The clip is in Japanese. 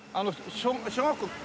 小学校？